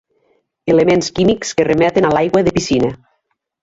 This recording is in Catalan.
Elements químics que remeten a l'aigua de piscina.